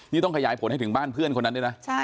นี่ต้องขยายผลให้ถึงบ้านเพื่อนคนนั้นด้วยนะ